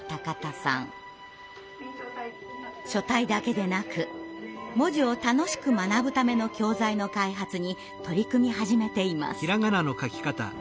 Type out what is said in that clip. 書体だけでなく文字を楽しく学ぶための教材の開発に取り組み始めています。